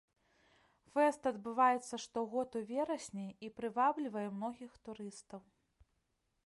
Фэст адбываецца штогод у верасні і прываблівае многіх турыстаў.